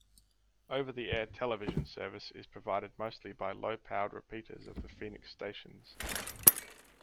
Over-the-air television service is provided mostly by low-powered repeaters of the Phoenix stations.